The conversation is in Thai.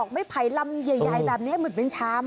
ไม่ภัยรำเยาแบบนี้มันเป็นชาม